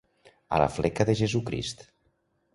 A la fleca de Jesucrist.